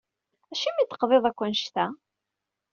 Acimi d-teqḍiḍ akk annect-a?